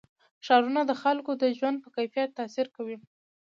ښارونه د خلکو د ژوند په کیفیت تاثیر کوي.